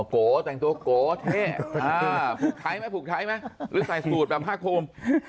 แจงตัวโกะแท่อ่าผูกไท้ไหมผูกไท้ไหมหรือใส่สูตรแบบห้าโคม